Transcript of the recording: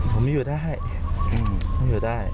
ผมไม่อยู่ไม่อยู่ได้